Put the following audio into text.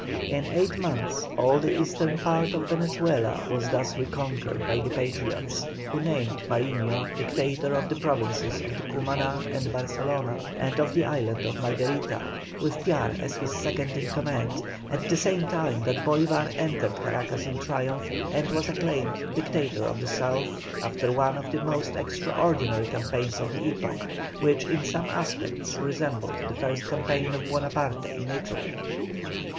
In eight months all the eastern part of Venezuela was thus reconquered by the Patriots, who named Mariño Dictator of the Provinces of Cumaná and Barcelona, and of the island of Margarita, with Piar as his second in command, at the same time that Bolívar entered Caracas in triumph and was acclaimed Dictator of the West after one of the most extraordinary campaigns of the epoch, which in some respects resembles the first campaign of Buonaparte in Italy.